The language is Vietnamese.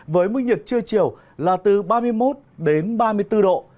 với mưa nhiệt trưa chiều là từ ba mươi một ba mươi bốn độ